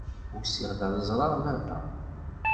Usiɣ-d ad ẓreɣ baba.